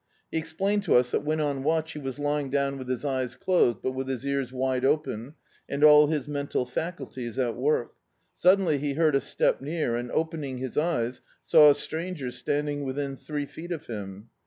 He explained to us that when on watch he was lying down with his eyes closed, but with his ears wide open, and all his mental faculties at work. Sud denly, he heard a step near and opening his eyes saw a stranger standing within three feet of him.